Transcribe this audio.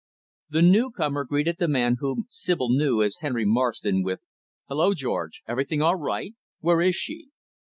The new comer greeted the man whom Sibyl knew as Henry Marston, with, "Hello, George, everything all right? Where is she?"